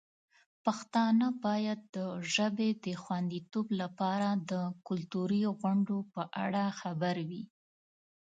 پښتانه باید د ژبې د خوندیتوب لپاره د کلتوري غونډو په اړه خبر وي.